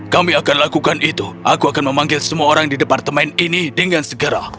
kami akan lakukan itu aku akan memanggil semua orang di departemen ini dengan segera